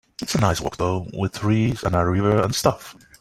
It's a nice walk though, with trees and a river and stuff.